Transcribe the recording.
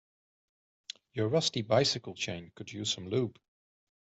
Your rusty bicycle chain could use some lube.